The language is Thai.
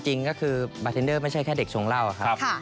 จริงก็คือบาร์เทนเดอร์ไม่ใช่แค่เด็กชงเหล้าครับ